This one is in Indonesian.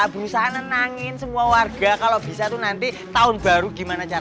berusaha nenangin semua warga kalau bisa tuh nanti tahun baru gimana cara